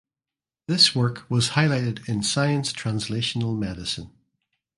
This work was highlighted in "Science Translational Medicine".